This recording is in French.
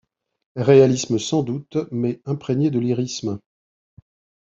Réalisme sans doute, mais imprégné de lyrisme.